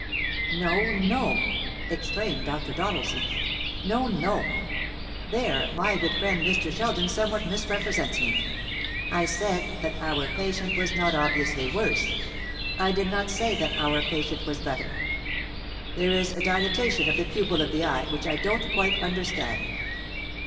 "No, no!" exclaimed Dr. Doddleson; "no, no! there my good friend Mr. Sheldon somewhat misrepresents me. I said that our patient was not obviously worse. I did not say that our patient was better. There is a dilatation of the pupil of the eye which I don't quite understand."